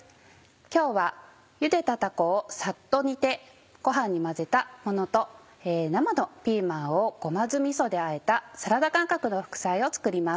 今日はゆでたたこをサッと煮てご飯に混ぜたものと生のピーマンをごま酢みそであえたサラダ感覚の副菜を作ります。